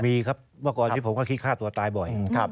มีครับอาการที่ผมก็คิดฆาตัวตายบ่อย